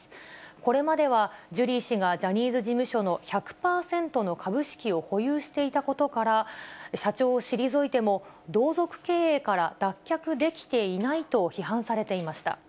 これまではジュリー氏がジャニーズ事務所の１００％の株式を保有していたことから、社長を退いても、同族経営から脱却できていないと批判されていました。